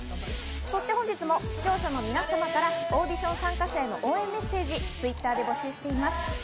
そして本日も視聴者の皆様からオーディション参加者への応援メッセージ、Ｔｗｉｔｔｅｒで募集しています。